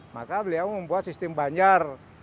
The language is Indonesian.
maka beliau membuat sistem banjar